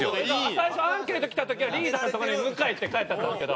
最初、アンケートきた時はリーダーのとこに「向」って書いてあったんですけど。